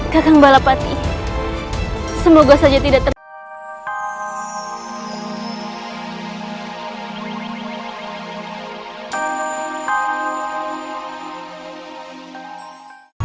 kacang balapati semoga saja tidak terlalu